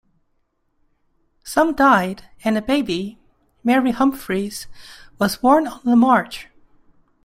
Some died and a baby, Mary Humphries, was born on the march.